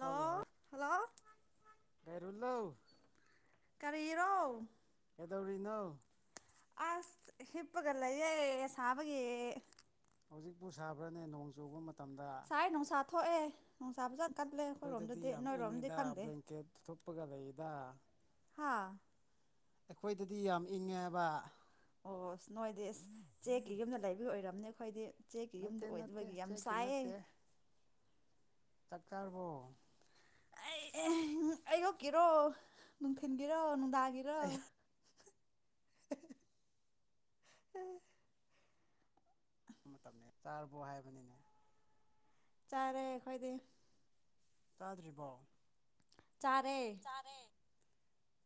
Hello ꯂꯧꯎ ꯀꯔꯤꯔꯣ ꯀꯩꯗꯧꯔꯤꯅꯣ ꯑꯁ ꯍꯤꯞꯄꯒꯂ ꯁꯥꯕꯒꯤ ꯍꯧꯖꯤꯛꯄꯨ ꯁꯥꯕ꯭ꯔꯅꯦ ꯅꯣꯡ ꯆꯨꯕ ꯃꯇꯝꯗ ꯁꯥꯏ ꯅꯨꯡꯁꯥ ꯊꯣꯛꯑꯦ ꯅꯨꯡꯁꯥꯕ ꯐꯖꯥ ꯑꯩꯈꯣꯏꯗꯗꯤ ꯌꯥꯝ ꯏꯪꯉꯤꯗ ꯕ꯭ꯂꯦꯡꯀꯦꯠ ꯊꯨꯄꯒ ꯂꯩ [unintelligible] ꯍꯥꯥ ꯑꯩꯈꯣꯏꯗꯗꯤ ꯌꯥꯝ ꯏꯪꯉꯦꯕ ꯑꯣ ꯅꯣꯏꯗꯤ ꯆꯦꯛꯀꯤ ꯌꯨꯝꯗ ꯂꯩꯕꯤ ꯑꯣꯏꯔꯝꯅꯤ ꯑꯩꯈꯣꯏꯗꯤ ꯆꯦꯛꯀꯤ ꯌꯨꯝꯗ ꯅꯠꯇꯦ ꯅꯠꯇꯦ ꯑꯣꯏꯗꯕꯒꯤ ꯌꯥꯝ ꯆꯦꯛꯀꯤ ꯁꯥꯏꯑꯦ ꯅꯠꯇꯦ ꯆꯥꯛ ꯆꯥꯔꯔꯕꯣ ꯑꯩ ꯑꯌꯣꯛꯀꯤꯔꯣ ꯅꯨꯡꯊꯤꯟꯒꯤꯔꯣ ꯅꯨꯡꯗꯥꯡ ꯒꯤꯔꯣ ꯑꯩ [unintelligible] ꯆꯥꯔꯕ ꯍꯥꯏꯕꯅꯤꯅꯦ ꯆꯥꯔꯦ ꯑꯩꯈꯣꯏꯗꯤ ꯆꯥꯗ꯭ꯔꯤꯕꯣ ꯆꯔꯦ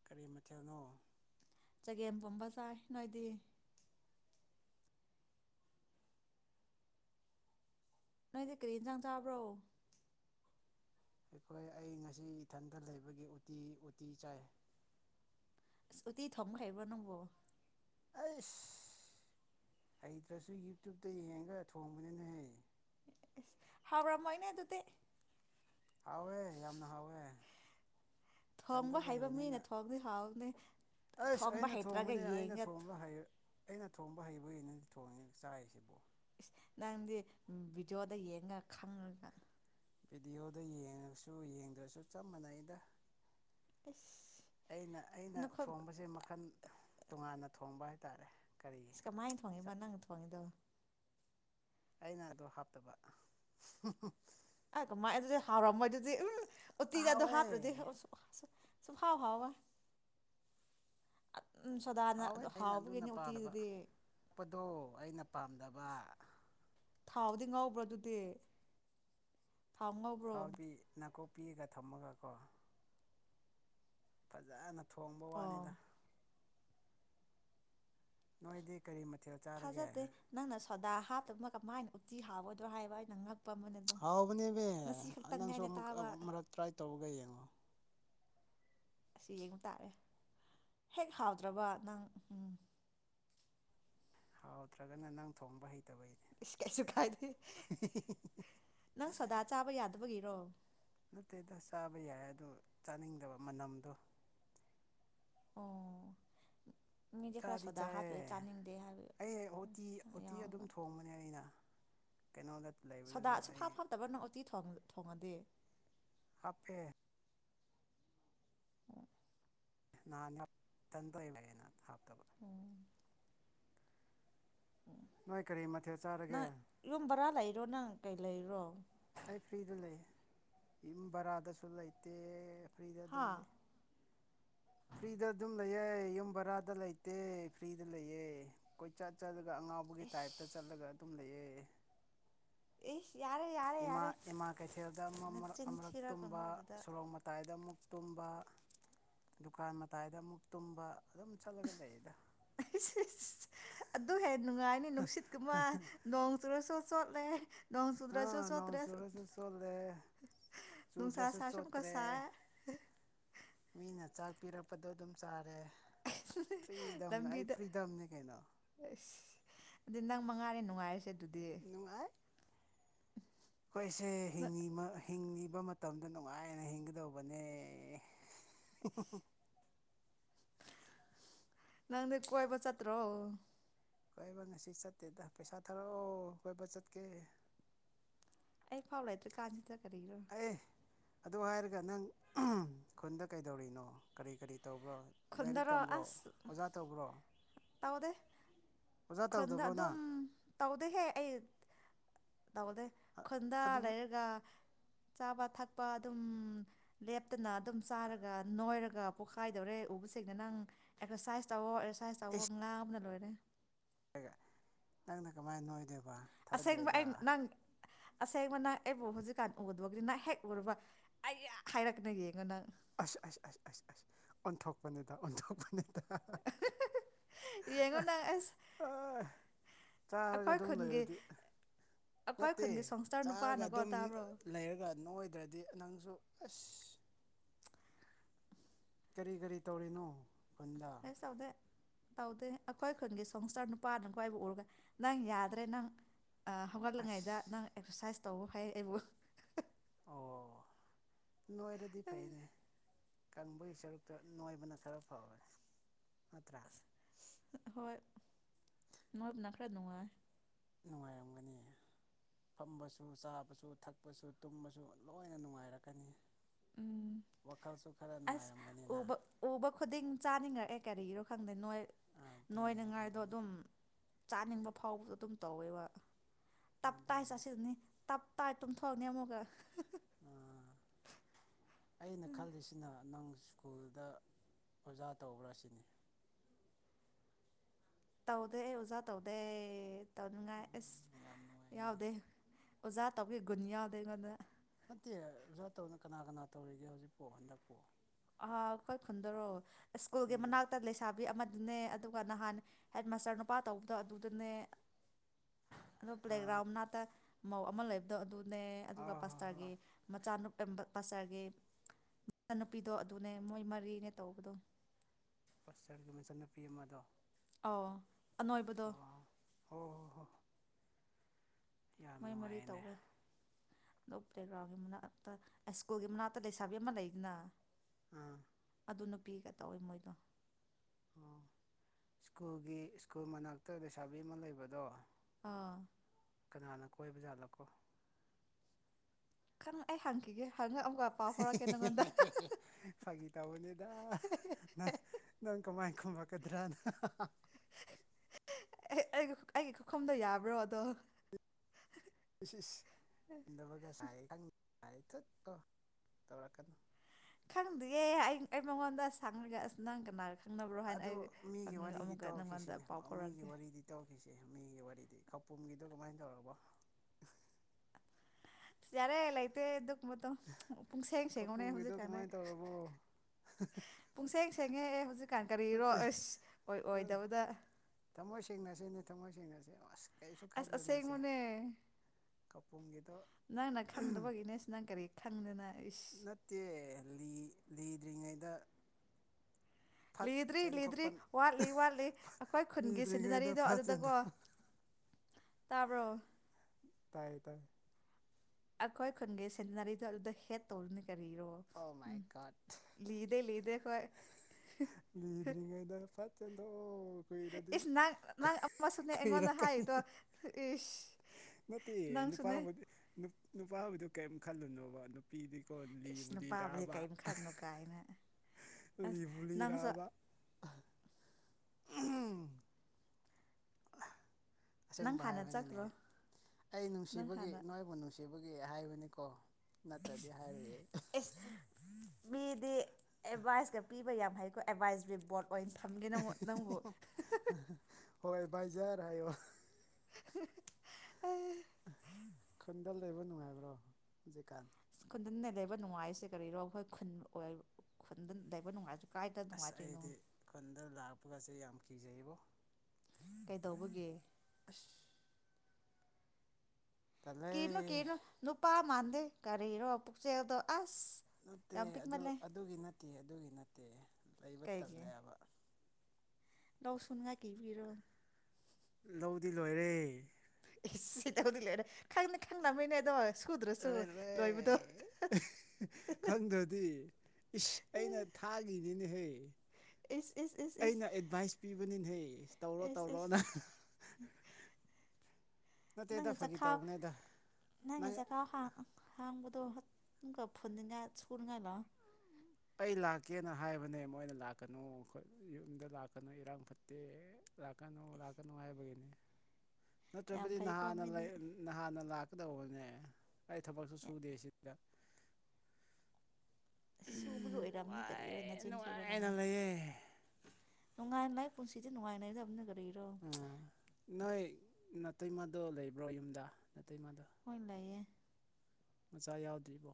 ꯀꯔꯤ ꯃꯊꯦꯜꯅꯣ ꯆꯒꯦꯝ ꯄꯣꯝꯕ ꯆꯥꯏ ꯅꯣꯏꯗꯤ ꯅꯣꯏꯗꯤ ꯀꯔꯤ ꯌꯦꯟꯁꯥꯡ ꯆꯥꯕ꯭ꯔꯣ ꯑꯩꯈꯣꯏ ꯑꯩ ꯉꯁꯤ ꯏꯊꯟꯇ ꯂꯩꯕꯒꯤ ꯎꯇꯤ ꯎꯇꯤ ꯆꯥꯏ ꯎꯇꯤ ꯊꯣꯡꯕ ꯍꯩꯕ꯭ꯔꯥ ꯅꯪꯕꯣ ꯑꯩꯁ ꯍꯩꯇ꯭ꯔꯁꯨ ꯌꯨꯇ꯭ꯌꯕꯇ ꯌꯦꯡꯉꯒ ꯊꯣꯡꯕꯅꯤꯅꯦꯍꯦ ꯍꯥꯎꯔꯝꯃꯣꯏꯅꯦ ꯑꯗꯨꯗꯤ ꯍꯥꯎꯋꯦ ꯌꯥꯝꯅ ꯍꯥꯎꯋꯦ ꯏꯊꯟꯇ ꯊꯣꯡꯕ ꯍꯩꯕ ꯂꯩꯕꯅꯤꯅ ꯃꯤꯅ ꯊꯣꯡꯗꯤ ꯍꯥꯎꯅꯤ ꯑꯩꯁ ꯊꯣꯡꯕ ꯑꯩꯅ ꯍꯩꯇ꯭ꯔꯒ ꯊꯣꯡꯕꯅꯦ ꯑꯩꯅ ꯌꯦꯡꯒ ꯊꯣꯡꯕ ꯍꯩ ꯑꯩꯅ ꯊꯣꯡꯕ ꯍꯩꯕꯅꯗꯤ ꯊꯣꯡꯉꯤ ꯆꯥꯏꯁꯤꯕꯣ ꯏꯁ ꯅꯪꯗꯤ ꯚꯤꯗꯤꯑꯣꯗ ꯌꯦꯡꯉ ꯈꯪꯉꯒ ꯚꯤꯗꯤꯑꯣꯗ ꯌꯦꯡꯉꯁꯨ ꯌꯦꯡꯗ꯭ꯔꯁꯨ ꯆꯞ ꯃꯥꯟꯅꯩꯗ ꯑꯁ ꯑꯩꯅ ꯑꯩꯅ ꯅꯈꯣꯏ ꯊꯣꯡꯕꯁꯦ ꯃꯈꯜ ꯇꯣꯉꯥꯟꯅ ꯊꯣꯡꯕ ꯍꯥꯏꯇꯥꯔꯦ ꯀꯔꯤꯒꯤ ꯀꯃꯥꯏꯅ ꯊꯣꯡꯉꯤꯕ ꯅꯪꯅ ꯊꯣꯡꯉꯤꯗꯣ ꯑꯩꯅ ꯑꯗꯨꯗꯣ ꯍꯥꯞꯇꯕ ꯑ ꯃꯥꯥꯏ ꯑꯗꯨꯗꯤ ꯍꯥꯎꯔꯃ ꯑꯗꯨꯗꯤ ꯎ ꯑꯣꯇꯤꯗꯣ ꯍꯥꯎꯋꯦ ꯍꯥꯞꯄꯔ ꯁ ꯍꯕ ꯍꯥꯎ ꯍꯥꯎꯋꯦ ꯑꯩꯅ ꯑꯗꯨꯅ ꯄꯥꯝꯕꯄꯗꯣ ꯑꯩꯅ ꯄꯥꯝꯗꯕ ꯊꯥꯎꯗꯤ ꯉꯥꯎꯕ꯭ꯔꯥ ꯑꯗꯨꯗꯤ ꯊꯥꯎ ꯉꯧꯕ꯭ꯔꯣ ꯊꯥꯕꯤ ꯅꯅꯥꯀꯨꯞ ꯄꯤꯑꯒ ꯊꯝꯃꯒꯀꯣ ꯐꯖꯅ ꯊꯣꯡꯕ ꯑꯣ ꯋꯥꯅꯤꯗ ꯅꯣꯏꯗꯤ ꯀꯔꯤ ꯃꯊꯦꯜ ꯊꯥꯖꯗꯦ ꯆꯥꯔꯒꯦ ꯅꯪꯅ ꯁꯗꯥ ꯍꯥꯞ ꯑꯗꯨꯃꯛ ꯀꯃꯥꯏꯅ ꯎꯛꯇꯇꯤ ꯍꯥꯥꯎꯒꯗ꯭ꯔꯣ ꯍꯥꯏꯕ ꯑꯩꯅ ꯅ ꯉꯛ ꯍꯥꯎꯕꯅꯦꯕꯍꯦ ꯅꯪꯁꯨ ꯑꯩꯅ ꯑꯃꯨꯛ ꯇꯥꯕ ꯃꯔꯛ ꯇ꯭ꯔꯥꯏ ꯇꯧꯔꯒ ꯌꯦꯡꯉꯣ ꯑꯁꯤ ꯌꯦꯡꯕ ꯇꯥꯔꯦ ꯍꯦꯛ ꯍꯥꯎꯗ꯭ꯔꯕ ꯅꯪ ꯎꯝ ꯍꯥꯎꯗ꯭ꯔꯒꯅ ꯅꯪ ꯊꯣꯡꯕ ꯍꯩ ꯀꯩꯁꯨ ꯀꯥꯏꯗꯦ ꯅꯪ ꯁꯣꯗꯥ ꯆꯥꯕ ꯌꯥꯗ ꯐꯠꯇꯕꯒꯤꯔꯣ ꯅꯠꯇꯦꯗ ꯆꯥꯕ ꯌꯥꯏ ꯑꯗꯨ ꯆꯥꯅꯤꯡꯗꯕ ꯃꯅꯝꯗꯣ ꯑꯣ ꯃꯤꯗꯤ ꯈꯔ ꯆꯥꯗꯤ ꯁꯣꯗꯥ ꯆꯥꯏ ꯍꯥꯞꯇ꯭ꯔꯗꯤ ꯆꯥꯅꯤꯡꯗꯦ ꯍꯥꯏꯕ ꯑꯩ ꯍꯣꯇꯤ ꯍꯇꯤ ꯑꯗꯨꯝ ꯊꯣꯡꯕꯅꯦ ꯑꯩꯅ ꯀꯩꯅꯣꯗ ꯂꯩꯕꯗꯁꯨ ꯁꯣꯗꯥꯁ ꯐꯥ ꯑꯩ ꯐꯥꯎꯗꯕ꯭ꯔ ꯅꯪ ꯑꯣꯇꯤ ꯊꯣꯡꯗ ꯇꯦ ꯍꯥꯞꯄꯦ ꯅꯅꯥ ꯇꯟꯣ ꯏꯕꯒꯦꯅ ꯍꯥ ꯇ ꯑꯣ ꯅꯣꯏ ꯀꯔꯤ ꯃꯊꯦꯜ ꯆꯥꯔꯒꯦ ꯗꯣ ꯅꯪ ꯀꯩ ꯂꯩꯔꯣ ꯑꯩ ꯐ꯭ꯔꯤꯗ ꯂꯩ ꯌꯨꯝ ꯕꯔꯥꯗꯁꯨ ꯂꯩꯇꯦ ꯔꯤꯝ ꯍꯥ ꯂꯩ ꯐꯔꯤꯗ ꯑꯗꯨꯝ ꯌꯨꯝ ꯕ ꯂꯩꯇꯦ ꯐꯗ ꯂꯩ ꯀꯣꯏ ꯆ ꯆ ꯑꯗꯨꯒ ꯑꯉꯥꯎꯕꯒꯤ ꯏꯁ ꯇꯥꯏꯞꯇ ꯆꯠꯂꯒ ꯑꯗꯨꯨꯝ ꯂꯩ ꯑꯦ ꯏꯃꯥ ꯀꯩꯊꯦꯜꯗ ꯅꯆꯤꯟ ꯑꯃꯨꯔꯛ ꯊꯤꯔꯛꯀꯅꯨ ꯇꯨꯝꯕ ꯑꯗꯨꯗ ꯁꯣꯔꯣꯛ ꯃꯇꯥꯏꯗ ꯑꯃꯨꯛ ꯇꯨꯝꯕ ꯗꯨꯀꯥꯟ ꯃꯇꯥꯏꯗ ꯑꯃꯨꯛ ꯇꯨꯝꯕ ꯑꯗꯨꯝ ꯆꯠꯂꯒ ꯂꯩꯌꯦꯗ ꯑꯩꯁ ꯑꯗꯨ ꯍꯦ ꯅꯨꯡꯉꯥꯏꯅꯤ ꯅꯨꯡꯁꯤꯠꯀꯨꯝꯕ ꯅꯣꯡ ꯆꯨꯔ ꯆ ꯆꯣꯠꯂ ꯑ ꯅꯣꯡ ꯆꯨꯔꯁꯨ ꯆꯣꯠꯂꯦ ꯅꯨꯡꯁꯥ ꯆꯨꯗ꯭ꯔꯁꯨ ꯁꯥꯔꯁꯨ ꯑꯃꯨꯛꯀ ꯆꯣꯠꯇ꯭ꯔꯦ ꯁꯥꯏ ꯃꯤꯅ ꯆꯥꯛ꯫ ꯄꯤꯔꯛꯄꯗꯣ ꯑꯗꯨꯝ ꯆꯥꯔꯦ꯫ ꯐ꯭ꯔꯤꯗꯝꯅ ꯑꯩ ꯂꯝꯕꯤꯗ ꯐ꯭ꯔꯤꯗꯝꯅꯤ ꯀꯩꯅꯣ [inaudible] ꯑꯗꯨ ꯅꯪ ꯃꯉꯥꯏꯔꯦ ꯅꯨꯡꯉꯥꯏꯔꯤꯁꯦ ꯑꯗꯨꯗꯤ꯫ ꯅꯨꯡꯉꯥꯏ ꯑꯩꯈꯣꯏꯁꯦ ꯅꯪ ꯍꯤꯡꯉꯃ ꯍꯤꯡꯉꯤꯕ ꯃꯇꯝꯗ ꯅꯨꯡꯉꯥꯏꯅ ꯍꯤꯡꯒꯗꯧꯕꯅꯦ꯫ ꯅꯪꯗꯤ ꯀꯣꯏꯕ ꯆꯠꯇ꯭ꯔꯣ꯫ ꯀꯣꯏꯕ ꯉꯁꯤ ꯆꯠꯇꯦꯗ ꯄꯩꯁꯥ ꯊꯥꯔꯛꯑꯣ ꯀꯣꯏꯕ ꯆꯠꯀꯦ ꯑꯩ ꯐꯥꯎꯕ ꯂꯩꯇ꯭ꯔꯤ ꯀꯥꯟꯁꯤꯗ ꯀꯔꯤꯒꯤꯔꯣ꯫ ꯑꯦ ꯑꯗꯨ ꯍꯥꯏꯔꯒ ꯅꯪ ꯈꯨꯟꯗ ꯀꯩꯗꯧꯔꯤꯅꯣ ꯀꯔꯤ ꯀꯔꯤ꯫ ꯇꯧꯕ꯭ꯔꯣ ꯂꯥꯏꯔꯤꯛ ꯈꯨꯟꯗꯔꯣ ꯇꯝꯕ꯭ꯔꯣ ꯑꯁ ꯑꯣꯖꯥ ꯇꯧꯕ꯭ꯔꯣ ꯇꯧꯗꯦ ꯑꯣꯖꯥ ꯈꯨꯟꯗ ꯇꯧꯗꯕ꯭ꯔꯣ ꯅꯪ ꯑꯗꯨꯝ ꯇꯧꯗꯦꯍꯦ꯫ ꯑꯩꯌꯠ꯫ ꯇꯧꯗꯦ ꯈꯨꯟꯗꯥ ꯑꯗꯨ ꯂꯩꯔꯒ꯫ ꯆꯥꯕ ꯊꯛꯄ ꯑꯗꯨꯝ ꯂꯦꯞꯇꯅ ꯑꯗꯨꯝ ꯆꯥꯔꯒ ꯅꯣꯏꯔꯒ ꯄꯣꯛꯈꯥꯏꯗꯧꯔꯦ꯫ ꯁꯦꯛꯅ ꯅꯪ ꯑꯦꯛꯁꯔꯁꯥꯏꯁ ꯇꯧꯋꯣ ꯑꯦꯛꯁꯔꯁꯥꯏꯖ ꯇꯧꯋꯣ ꯑꯦꯁ ꯉꯥꯕꯅ ꯂꯣꯏꯔꯦ꯫ ꯅꯪꯅ ꯀꯃꯥꯏꯅ ꯅꯣꯏꯗꯣꯏ ꯑꯁꯦꯡꯕ ꯑꯩ ꯅꯪ꯫ ꯑꯁꯦꯡꯕ ꯅꯪ ꯑꯩꯕꯨ ꯍꯧꯖꯤꯛꯀꯥꯟ ꯎꯒꯗꯕꯗꯤ ꯅꯪ ꯍꯦꯛ ꯎꯔꯕ ꯑꯩ ꯌꯥ ꯍꯥꯏꯔꯛꯅꯦ ꯌꯦꯡꯉꯣ ꯅꯪ꯫ ꯑꯁ ꯑꯁ ꯑꯁ ꯑꯁ ꯑꯁ ꯑꯣꯟꯊꯣꯛꯄꯅꯦꯗꯥ ꯑꯣꯟꯊꯣꯛꯄꯅꯦ꯫ ꯌꯦꯡꯉꯣ ꯅꯪ ꯑꯁ ꯆꯥꯔꯒ ꯑꯩꯈꯣꯏ ꯑꯗꯨꯝ ꯈꯨꯟꯒꯤ ꯂꯩꯔꯗꯤ ꯑꯩꯈꯣꯏ ꯅꯠꯇꯦ ꯈꯨꯟꯒꯤ ꯁꯣꯡꯁꯇꯔ ꯆꯥꯔꯒ ꯅꯨꯄꯥꯅꯀꯣ ꯑꯗꯨꯝ ꯇꯥꯕ꯭ꯔꯣ ꯂꯩꯔꯒ ꯅꯣꯏꯗ꯭ꯔꯗꯤ ꯅꯪꯁꯨ꯫ ꯑꯁ꯫ ꯀꯔꯤ ꯀꯔꯤ ꯇꯧꯔꯤꯅꯣ꯫ ꯈꯨꯟꯗ ꯀꯩꯁꯇꯧꯗꯦ꯫ ꯇꯧꯗꯦ ꯑꯩꯈꯣꯏ ꯈꯨꯟꯒꯤ ꯁꯣꯡꯁꯥꯔ ꯅꯨꯄꯥꯅꯀꯣ ꯑꯩꯕꯨ ꯎꯔꯒ ꯅꯪ ꯌꯥꯗ꯭ꯔꯦ ꯅꯪ ꯍꯧꯒꯠꯂꯤꯉꯩꯗ ꯑꯁ ꯅꯪ ꯑꯦꯛꯁꯔꯁꯥꯏꯁ꯫ ꯇꯧ ꯍꯥꯏ ꯑꯩꯕꯨ꯫ ꯑꯣ꯫ ꯅꯣꯏꯔꯗꯤ ꯐꯩꯅꯦ꯫ ꯀꯪꯕꯒꯤ ꯁꯔꯨꯛꯇ ꯅꯣꯏꯕꯅ ꯈꯔ ꯐꯕ ꯅꯠꯇ꯭ꯔꯥ꯫ ꯍꯣꯏ ꯅꯣꯏꯕꯅ ꯈ꯭ꯔ ꯅꯨꯡꯉꯥꯏ꯫ ꯅꯨꯡꯉꯥꯏꯔꯝꯒꯅꯤ ꯐꯝꯕꯁꯨ ꯆꯥꯕꯁꯨ ꯊꯛꯄꯁꯨ ꯇꯨꯝꯕꯁꯨ ꯂꯣꯏꯅ ꯅꯨꯡꯉꯥꯏꯔꯛꯀꯅꯤ꯫ ꯎꯝ ꯋꯥꯈꯜꯁꯨ꯫ ꯈꯔ ꯑꯁ ꯅꯨꯡꯉꯥꯏꯔꯝꯒꯅꯤꯅ ꯎꯕ ꯎꯕ ꯈꯨꯗꯤꯡ ꯆꯥꯅꯤꯡꯉ꯫ ꯑꯦ ꯀꯔꯤꯒꯤꯔꯣ ꯈꯪꯗꯦ ꯅꯣꯏ ꯑꯗꯨꯅꯦ ꯅꯣꯏꯅꯉꯥꯏꯗꯣ ꯑꯗꯨꯅꯦ ꯑꯗꯨꯝ꯫ ꯆꯥꯅꯤꯡꯕ ꯐꯥꯎꯕꯗ ꯑꯗꯨꯝ ꯇꯧꯋꯦꯕ ꯇꯞ ꯇꯥꯏ ꯑꯗꯨꯅꯦ ꯆꯥꯁꯤꯜꯂ ꯇꯞ ꯇꯥꯏ ꯇꯨꯝ ꯊꯣꯛꯅꯤ ꯑꯃꯨꯛꯀ ꯑꯩꯅ ꯈꯜꯂꯤꯁꯤꯅ ꯅꯪ ꯁ꯭ꯀꯨꯜꯗ ꯑꯣꯖꯥ ꯇꯧꯕ꯭ꯔꯥ ꯑꯁꯤꯅꯤ ꯇꯧꯗꯦ ꯑꯣꯖꯥ ꯇꯧꯗꯦ ꯇꯧꯅꯤꯉꯥꯏ ꯑꯁ ꯌꯥꯝ ꯅꯨꯡꯉꯥꯏꯅꯦ ꯌꯥꯎꯗꯦ ꯑꯣꯖꯥ ꯇꯧꯕꯒꯤ ꯒꯨꯟ ꯌꯥꯎꯗꯦ ꯑꯩꯉꯣꯟꯗ ꯅꯠꯇꯦ ꯑꯣꯖꯥ ꯇꯧꯅ ꯀꯅꯥ ꯀꯅꯥ ꯇꯧꯔꯤꯒꯦ ꯍꯧꯖꯤꯛꯄꯣ ꯍꯟꯗꯛꯄꯨ ꯑ ꯑꯩꯈꯣꯏ ꯈꯨꯟꯗꯔꯣ ꯁ꯭ꯀꯨꯜꯒꯤ ꯎꯝ ꯃꯅꯥꯛꯇ ꯂꯩꯁꯥꯕꯤ ꯑꯃꯗꯨꯅꯦ ꯑꯗꯨꯒ ꯅꯍꯥꯟ ꯍꯦꯠ ꯃꯥꯁꯇꯔ ꯅꯨꯄꯥ ꯇꯧꯕꯗꯣ ꯑꯗꯨꯗꯅꯦ ꯑꯥ ꯄ꯭ꯂꯦꯒ꯭ꯔꯥꯎꯟ ꯝꯅꯥꯛꯇ ꯃꯧ ꯑꯃ ꯂꯩꯕꯗꯣ ꯑꯗꯨ ꯅꯦ ꯑꯗꯨꯒ ꯍꯣꯏ ꯍꯣꯏ ꯄꯥꯁꯇꯥꯒꯤ ꯍꯣꯏ ꯃꯆꯥꯅꯨ ꯇꯝꯕ ꯄꯥꯁꯇꯔꯒꯤ ꯅꯨꯄꯤꯗꯣ ꯑꯗꯨꯅꯦ ꯃꯣꯏ ꯃꯔꯤꯅꯦ ꯇꯧꯕꯗꯣ ꯄꯥꯁꯇꯔꯒꯤ ꯃꯆꯟꯅꯨꯄꯤ ꯑꯃꯗꯣ ꯑ ꯑꯅꯣꯏꯕꯗꯣ ꯑꯣ ꯍꯣ ꯍꯣ ꯍꯣ ꯌꯥꯝ ꯅꯨꯡꯉꯥꯏꯌꯦꯅꯦ ꯑ ꯄ꯭ꯂꯦꯒ꯭ꯔꯥꯎꯟꯒꯤ ꯃꯅꯥꯛꯇ ꯁ꯭ꯀꯨꯜꯒꯤ ꯃꯅꯥꯛꯇ ꯂꯩꯁꯥꯕꯤ ꯑꯃ ꯂꯩꯗꯅ ꯎꯝ ꯑꯗꯨ ꯅꯨꯄꯤꯒ ꯇꯧꯋꯤ ꯃꯣꯏꯗꯣ ꯑꯣ ꯁ꯭ꯀꯨꯜꯒꯤ ꯁ꯭ꯀꯨꯜ ꯃꯅꯥꯛꯇ ꯂꯩꯁꯥꯕꯤ ꯑꯃ ꯂꯩꯕꯗꯣ ꯑꯥ ꯀꯅꯥꯅ ꯀꯣꯏꯕ ꯌꯥꯥꯠꯂꯣꯀꯣ ꯀꯔꯣ ꯑꯩ ꯍꯪꯈꯤꯒꯦ ꯍꯪꯉꯛꯑꯀ ꯄꯥꯎ ꯍꯧꯔꯛꯀꯦ ꯅꯪꯉꯣꯟꯗ ꯇꯧꯕꯅꯦ ꯗ ꯅꯪ ꯀꯃꯥꯏꯅ ꯈꯨꯝꯃꯛꯀꯗ꯭ꯔꯥꯅ ꯑꯦ ꯑꯩꯒꯤ ꯈꯨꯈꯨꯝꯗꯣ ꯌꯥꯕ꯭ꯔꯣ ꯑꯗꯣ ꯏꯁ ꯏꯁ ꯀꯤꯗꯕꯒ ꯁꯥꯏ ꯅꯪ ꯆꯨꯠ ꯇꯧꯔꯛꯀꯅꯨ ꯈꯪꯗꯦꯌꯦ ꯑꯩ ꯑꯩ ꯃꯉꯣꯟꯗ ꯍꯪꯉꯥꯒ ꯑꯁ ꯅꯪ ꯀꯅꯥ ꯑꯗꯨ ꯃꯤꯒꯤ ꯋꯥꯔꯤꯗꯤ ꯅꯪꯉꯣꯟꯗ ꯇꯧꯈꯤꯁꯤꯅꯦ ꯄꯥꯎ ꯃꯤꯒꯤ ꯐꯥꯎꯔꯛꯀꯦ ꯋꯥꯔꯤꯗꯤ ꯇꯧꯈꯤꯁꯤ ꯑꯣꯀꯦ ꯃꯤꯒꯤ ꯋꯥꯔꯤꯗꯤ ꯀꯄꯨꯝꯒꯤꯗꯣ ꯀꯃꯥꯏꯅ ꯇꯧꯔꯕꯣ ꯌꯥꯔꯦ ꯂꯩꯇꯦ ꯄꯨꯡꯁꯦꯡ ꯁꯦꯡꯕꯅꯦ ꯀꯥꯄꯨꯝꯒꯤꯗꯣ ꯍꯧꯖꯤꯛ ꯀꯥꯟꯅ ꯀꯃꯥꯏꯅ ꯇꯧꯔꯕꯣ ꯄꯨꯡꯁꯦꯡ ꯁꯦꯡꯉꯦ ꯍꯧꯖꯤꯛ ꯀ ꯀꯔꯤꯔꯣ ꯅꯠꯇꯦ ꯑꯁ ꯑꯣꯏ ꯑꯥ ꯑꯣꯏꯗꯕꯗ ꯁꯦꯡꯅꯁꯦꯕ ꯀꯩꯁꯨ ꯑꯁ ꯈꯜꯂꯨꯅꯨꯁꯦ ꯑꯁꯦꯡꯕꯅꯦ ꯀꯄꯨꯝꯒꯤꯗꯣ ꯅꯪꯅ ꯈꯪꯗꯕꯒꯤꯅꯦ ꯑꯁ ꯅꯪ ꯀꯔꯤ ꯈꯪꯗꯅ ꯏꯁ ꯅꯠꯇꯦ ꯂꯤ ꯂꯤ ꯂꯤꯗ꯭ꯔꯤꯉꯩꯗ ꯐꯠ ꯂꯤꯗ꯭ꯔꯤ ꯂꯤꯗ꯭ꯔꯤ ꯆꯦꯟꯊꯣꯛꯄ ꯋꯥꯠꯂꯤ ꯋꯥꯠꯂꯤ ꯑꯩꯈꯣꯏ ꯈꯨꯟꯒꯤ ꯂꯤꯗ꯭ꯔꯤꯉꯩꯗ ꯁꯤꯖꯤꯟꯅꯔꯤꯗꯣ ꯐꯠ ꯑꯗꯨꯗꯀꯣ ꯆꯦꯟꯊꯣꯛ ꯇꯥꯕ꯭ꯔꯣ ꯥꯇꯥꯏ ꯇꯥꯏ ꯑꯩꯈꯣꯏ ꯈꯨꯟꯒꯤ ꯁꯦꯟꯇꯤꯅꯔꯔꯤꯗꯥ ꯑꯗꯨꯗ ꯍꯦꯠ ꯇꯧꯔꯤꯅꯤ ꯀꯔꯤꯔꯣ ꯑꯣ ꯃꯥꯏ ꯎꯝ ꯒꯣꯠ ꯂꯤꯗꯦ ꯂꯤꯗꯦ ꯍꯣꯏ ꯂꯤꯗ꯭ꯔꯤꯉꯩꯗ ꯐꯠ ꯆꯦꯟꯊꯣꯛꯑꯣ ꯀꯨꯏꯔꯗꯤ ꯏꯁ ꯅꯪ ꯅꯪ ꯑꯃꯁꯨ ꯑꯩꯉꯣꯟꯗ ꯀꯨꯏꯔꯛꯀꯅꯤ ꯍꯥꯏꯗꯣ ꯏꯁ ꯅꯠꯇꯦ ꯅꯪꯁꯨꯅꯦ ꯅꯨꯄꯥꯕꯨꯗꯤ ꯅꯨꯄꯥꯕꯨꯗꯤ ꯀꯔꯤꯝ ꯈꯜꯂꯨꯅꯣꯕ ꯅꯨꯄꯤꯗꯤ ꯏꯁ ꯅꯨꯄꯥꯥꯕꯨꯗꯤ ꯀꯔꯤꯝ ꯈꯟꯅꯨ ꯀꯥꯏꯅ ꯑꯁ ꯂꯤꯕꯨ ꯅꯪꯁꯨ ꯂꯤꯔꯛꯑꯥꯕ ꯅꯪ ꯑꯁꯦꯡꯕ ꯍꯥꯟꯅ ꯍꯥꯏꯕꯥꯅꯤꯅꯦ ꯆꯠꯈ꯭ꯔꯣ ꯑꯩ ꯅꯪ ꯅꯨꯡꯁꯤꯕꯒꯤ ꯍꯥꯟꯅ ꯅꯣꯏꯕꯨ ꯅꯨꯡꯁꯤꯕ ꯑꯩꯈꯣꯏꯒꯤ ꯍꯥꯏꯕꯅꯤꯀꯣ ꯅꯠꯇ꯭ꯔꯗꯤ ꯍꯥꯏꯔꯣꯏꯌꯦ ꯑꯦꯁ ꯃꯤꯗꯤ ꯑꯦꯗꯚꯥꯏꯁꯀ ꯄꯤꯕ ꯌꯥꯝ ꯍꯩꯀꯣ ꯑꯦꯗꯚꯥꯏꯁ ꯔꯤꯕꯣꯔꯠ ꯑꯣꯏꯅ ꯊꯝꯒꯦ ꯅꯪ ꯅꯪꯕꯨ ꯑꯦꯠꯕꯥꯏꯖꯔ ꯍꯥꯏꯌꯣ ꯑꯩ ꯈꯨꯟꯗꯥ ꯂꯩꯕ ꯅꯨꯡꯉꯥꯏꯕ꯭ꯔꯣ ꯍꯧꯖꯤꯛꯀꯥꯟ ꯈꯨꯟꯗ ꯂꯩꯕ ꯅꯨꯡꯉꯥꯏꯔꯤꯁꯦ ꯀꯔꯤꯔꯣ ꯑꯩꯈꯣꯏ ꯈꯨꯟ ꯑꯣꯏ ꯈꯨꯟꯗ ꯂꯩꯕ ꯅꯨꯡꯉꯥꯏꯁꯤ ꯑꯁ ꯑꯩꯗꯤ ꯈꯨꯟꯗ ꯂꯥꯛꯄ ꯄꯥꯁꯦ ꯌꯥꯝ ꯀꯤꯖꯩꯌꯦꯕꯣ ꯀꯩꯗꯧꯕꯒꯤ ꯑꯁ ꯇꯜꯂꯦ ꯀꯤꯅꯨ ꯀꯤꯅꯨ ꯅꯨꯄꯥ ꯃꯥꯥꯟꯗ ꯀꯔꯤꯔꯣ ꯄꯨꯆꯦꯜꯗꯣ ꯅꯠꯇꯦ ꯑꯗꯨ ꯑꯗꯨꯒꯤ ꯅꯠꯇꯦ ꯑꯗꯨꯒꯤ ꯅꯠꯇꯦ ꯂꯩꯕ ꯇꯜꯂꯦꯕ ꯂꯥꯎꯁꯟꯉꯥꯏ ꯀꯤꯕꯥꯒꯤꯔꯣ ꯂꯧꯗꯤ ꯂꯣꯏꯔꯦ ꯏꯁ ꯂꯧꯗꯤ ꯂꯣꯏꯔꯦ ꯈꯪꯗꯤ ꯈꯪꯅꯃꯤꯅꯦ ꯑꯗꯣ ꯁꯨꯗ꯭ꯔꯁꯨ ꯂꯣꯏꯕꯗꯣ ꯂꯣꯏꯔꯦ ꯈꯪꯗ꯭ꯔꯗꯤ ꯏꯁ ꯑꯩꯅ ꯊꯥꯒꯤ ꯑꯗꯨꯅꯤ ꯍꯩ ꯏꯁ ꯏꯁ ꯏꯁ ꯏꯁ ꯑꯩꯅ ꯑꯦꯠꯚꯥꯏꯁ ꯄꯤꯕꯅꯤꯍ ꯇꯧꯔꯣ ꯏꯁ ꯏꯁ ꯇꯧꯔꯣꯅ ꯅꯪ ꯅꯠꯇꯦꯗ ꯐꯥꯒꯤ ꯆꯈꯥꯎ ꯇꯧꯕꯅꯦꯗ ꯅꯪ ꯆꯈꯥꯎ ꯍꯥꯡꯕ ꯣ ꯍ ꯏ ꯀ ꯐꯅꯤ ꯉ ꯍꯥꯆꯀꯅꯤꯒꯂꯣ ꯑꯩ ꯂꯥꯛꯀꯦꯅ ꯍꯥꯏꯕꯅꯦ ꯃꯣꯏꯅ ꯂꯥꯛꯀꯅꯨ ꯌꯨꯝꯗ ꯂꯥꯛꯀꯅꯨ ꯏꯔꯥꯡ ꯐꯠꯇꯦ ꯂꯥꯛꯀꯅꯨ ꯂꯥꯛꯀꯅꯨ ꯍꯥꯏꯕꯒꯤꯅꯤ ꯌꯥꯝ ꯅꯠꯇ꯭ꯔꯕꯗꯤ ꯐꯩꯀꯣ ꯅꯍꯥꯟ ꯃꯤꯗꯤ ꯅꯍꯥꯟꯅ ꯂꯥꯛ ꯀꯗꯧꯕꯅꯦ ꯑꯩ ꯊꯕꯛꯁꯨ ꯁꯨꯗꯦ ꯁꯤꯗ ꯁꯨꯕꯒꯤ ꯑꯣꯏꯔꯝꯅꯤ ꯀꯔꯤ ꯅꯨꯡꯉꯥꯏ ꯑꯣꯏꯅ ꯆꯤꯟꯊꯤꯔꯒꯅꯣ ꯅꯨꯡꯉꯥꯏꯅ ꯂꯩꯌꯦ ꯅꯨꯡꯉꯥꯏꯩ ꯄꯨꯟꯁꯤꯗꯤ ꯅꯨꯡꯥꯏꯅꯕ ꯅꯒꯦ ꯎ ꯅꯣꯏ ꯑꯅꯥꯇꯩ ꯃꯥꯗꯣ ꯂꯩꯕ꯭ꯔꯣ ꯌꯨꯝꯗ ꯑꯅꯥꯇꯩ ꯃꯥ ꯍꯣꯏ ꯂꯩꯥꯏꯦ ꯃꯆꯥ ꯌꯥꯎꯗ꯭ꯔꯤꯕꯣ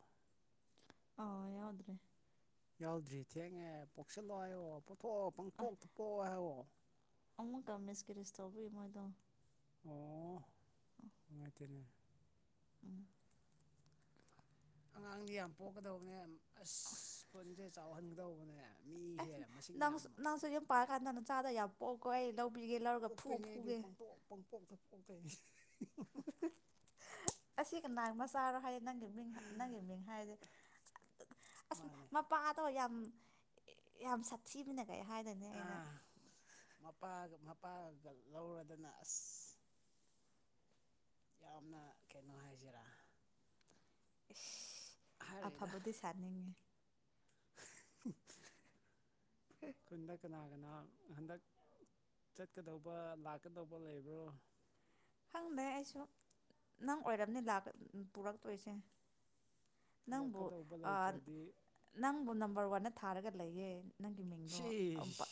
ꯑ ꯌꯥꯎꯗ꯭ꯔꯦ ꯌꯥꯎꯗ꯭ꯔꯤ ꯊꯦꯡꯉꯦ ꯄꯣꯛꯁꯜꯂꯣꯣ ꯄꯊꯣꯛꯑꯣ ꯄꯥꯡꯄꯣꯛ ꯊꯣꯛꯄꯣꯛꯑꯣ ꯍꯥꯏꯋꯣ ꯎꯃꯛꯀꯝꯃꯦꯁꯀꯤꯔꯤꯁ ꯇꯧꯕꯨ ꯃꯣꯏꯗ ꯑꯣ ꯃꯇꯅꯦ ꯎꯝ ꯑꯉꯥꯡꯗꯤ ꯌꯥꯝ ꯄꯣꯛꯀꯗꯧꯕꯅꯦ ꯑꯁ ꯁ꯭ꯀꯨꯜꯁꯦ ꯆꯥꯎꯍꯟꯒꯗꯧꯕꯅꯦ ꯃꯤꯁꯦ ꯑꯁ ꯃꯁꯤꯡ ꯅꯪ ꯌꯥꯝ ꯅꯪꯁꯨ ꯌꯨꯝ ꯄꯥꯔ ꯌꯥꯝ ꯀꯥꯟꯗꯅ ꯆꯥꯗ ꯌꯥꯕ ꯄꯣꯛ ꯀꯣꯏꯜ ꯄꯣꯛꯇꯣꯏꯅꯦ ꯑꯩꯗꯤ ꯄꯥꯡꯊꯣꯛ ꯄꯥꯡꯊꯣꯛ [unintelligible] ꯑꯁꯤꯒꯅꯥꯥꯡ ꯃ ꯆꯥꯔꯣ ꯍꯥꯏ ꯅꯪꯒꯤ ꯃꯤꯡ ꯅꯪꯒꯤ ꯃꯤꯡ ꯍꯥꯏꯔꯁꯦ ꯑꯁ ꯃꯥꯅꯦ ꯃꯄꯥꯗꯣ ꯌꯥꯝ ꯌꯥꯝ ꯁꯥꯁꯤꯤ ꯃꯤꯅ ꯀꯩ ꯍꯥꯏꯗꯅꯤ ꯑꯩꯅ ꯄꯑꯒ ꯂꯧꯔꯗꯅ ꯑꯁ ꯌꯥꯝꯅ ꯀꯩꯅꯣ ꯍꯥꯏꯁꯤꯔꯥ [unintelligible] ꯍꯥꯏꯔꯣꯏꯗ ꯑꯐꯕꯗꯤ ꯁꯥꯅꯤꯡꯉꯦ ꯀꯟꯗ ꯀꯅꯥ ꯀꯅꯥꯣ ꯍꯟꯗꯛ ꯆꯠꯀꯗꯧꯕ ꯂꯥꯛꯀꯗꯧꯕ ꯂꯩꯕ꯭ꯔꯣ ꯈꯪꯗꯦ ꯑꯩꯁꯨ ꯅꯪ ꯑꯣꯏꯔꯕꯝꯅꯤ ꯄꯨꯔꯛꯇꯣꯏꯁꯦ ꯅꯪꯕꯨ ꯄꯨꯔꯛꯀꯗꯧꯕ ꯂꯩꯇ꯭ꯔꯗꯤ ꯅꯪꯕꯨ ꯅꯝꯕꯔ ꯋꯥꯟꯅ ꯊꯥꯔꯒ ꯂꯩꯌꯦ ꯅꯪꯒꯤ ꯃꯤꯡꯗꯣ ꯁꯤꯁ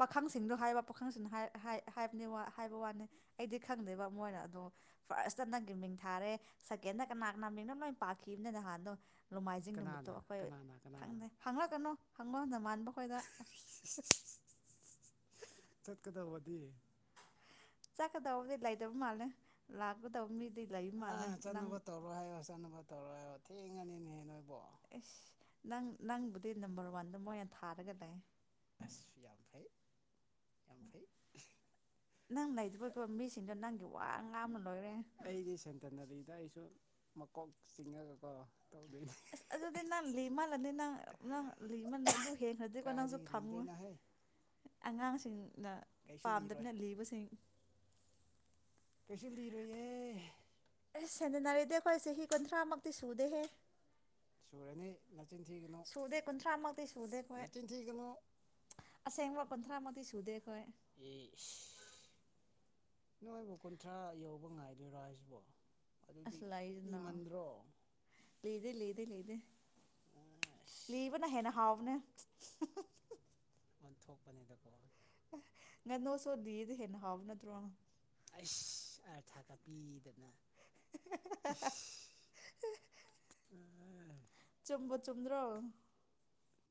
ꯄꯥꯈꯪꯁꯤꯡꯗꯣ ꯍꯥꯏꯕ ꯄꯥꯈꯪꯁꯤꯡ ꯍꯥꯏꯕ ꯍꯥꯏꯕ ꯋꯥꯅꯤ ꯑꯩꯗꯤ ꯈꯪꯗꯦꯕ ꯃꯣꯏꯅ ꯑꯗꯣ ꯐꯥꯔꯁꯇ ꯅꯪꯒꯤ ꯃꯤꯡ ꯊꯥꯔꯦ ꯁꯦꯀꯦꯟꯗ ꯀꯅꯥ ꯀꯅꯥ ꯃꯤꯡꯅꯣ ꯂꯣꯏꯅ ꯄꯥꯛꯈꯤꯕꯅꯤ ꯅꯍꯥꯟꯗꯣ ꯅꯣꯡꯃꯥꯏꯖꯤꯡ ꯅꯨꯃꯤꯠꯇꯣ ꯀꯅꯥꯅ ꯑꯩꯈꯣꯏ ꯀꯅꯥꯅ ꯀꯅꯥꯅ ꯈꯪꯗꯩ ꯈꯪꯉꯛꯒꯅꯨ ꯍꯪꯉ ꯅꯃꯥꯟꯅꯕ ꯈꯣꯏꯗ ꯆꯠꯀꯗꯧꯕꯗꯤ ꯆꯀꯗꯗꯤ ꯂꯩꯥꯏꯗꯕ ꯃꯥꯜꯂ ꯂꯥꯛꯕꯗꯧ ꯃꯤ ꯑ ꯆꯠꯅꯕ ꯇꯧꯔꯣ ꯍꯥꯏꯌꯣ ꯊꯦꯡꯉꯅꯤꯅꯦꯍꯦ ꯅꯣꯏꯕꯣ ꯑꯦꯁ ꯅꯪ ꯅꯪꯕꯨꯗꯤ ꯅꯝꯕꯔ ꯋꯥꯟꯗ ꯃꯣꯏ ꯑꯣꯏꯅ ꯊꯥꯔꯒ ꯂꯩ ꯑꯁ ꯌꯥꯝ ꯐꯩ ꯌꯥꯝ ꯐꯩ ꯅꯪ ꯂꯩꯇꯕꯗꯣ ꯃꯤꯁꯤꯟꯗꯨ ꯅꯪꯒꯦ ꯋꯥꯉꯥꯡꯑꯃ ꯑꯩꯗꯤ ꯁꯦꯟꯇꯔꯅ ꯂꯩꯗꯤ ꯑꯗꯨꯗ ꯑꯩꯁꯨ ꯃꯀꯣꯛ ꯆꯤꯡꯉꯒꯀ ꯑꯁ ꯑꯗꯨꯗꯤ ꯅꯪ ꯂꯤ ꯃꯥꯜꯂꯅꯤ ꯅꯪ ꯅꯪ ꯂꯤꯃꯜꯂꯅꯤ ꯑꯗꯨ ꯍꯦꯟꯈ꯭ꯔꯗꯤꯦꯀꯣ ꯅꯪꯁꯨ ꯀꯥꯏꯗꯒꯤ ꯐꯝꯉꯨ ꯂꯤꯗꯣꯏꯅꯣꯍꯦ ꯑꯉꯥꯡꯁꯤꯡ ꯅ ꯀꯩꯁꯨ ꯂꯤꯔꯣꯏ ꯄꯥꯝꯗꯕꯅ ꯂꯤꯕꯁꯤꯡ ꯀꯁꯨ ꯂꯤꯔꯣꯏꯌꯦ ꯑꯦꯁ ꯁꯦꯟꯅꯟꯅꯔꯗꯤꯦ ꯑꯩꯈꯣꯏ ꯆꯍꯤ ꯀꯨꯟꯊ꯭ꯔꯥꯃꯨꯛꯇꯤ ꯁꯨꯗꯦꯍꯦ ꯁꯨꯔꯅꯤ ꯅꯆꯤꯟꯊꯤꯒꯅꯨ ꯁꯨꯗꯦ ꯀꯨꯟꯊ꯭ꯔꯥꯃꯛꯇꯤ ꯅꯆꯤꯟꯊꯤꯒꯅꯨ ꯑꯁꯦꯡ ꯋꯥ ꯀꯨꯟꯊ꯭ꯔ ꯃꯛꯇꯤ ꯁꯨꯨꯗꯦꯈꯣꯏ ꯑꯦ ꯅꯣꯏꯕꯨ ꯀꯨꯟꯊ꯭ꯔꯥ ꯌꯧꯕ ꯉꯥꯏꯗꯣꯏꯔꯣ ꯍꯥꯏꯁꯤꯕꯣ ꯑꯗꯨꯗꯤ ꯑꯁ ꯂꯩꯅ ꯂꯤꯃꯟꯗ꯭ꯔꯣ ꯂꯤꯔ ꯂꯤꯔ ꯑꯩ ꯂꯤꯗꯦ ꯑꯁ ꯂꯤꯕꯅ ꯍꯦꯟꯅ ꯍꯥꯎꯕꯅ ꯑꯣꯟꯊꯣꯛꯄꯅꯤꯗꯀꯣ ꯉꯥꯅꯨꯁꯨ ꯂꯤꯔꯥ ꯍꯦꯅ ꯍꯥꯥꯎꯕꯅ ꯅꯠꯇꯔꯣ ꯑꯁ ꯑꯥꯔꯊꯥꯒ ꯄꯤꯗꯅ ꯏꯁ ꯆꯨꯝꯕ ꯆꯨꯝꯗ꯭ꯔꯣ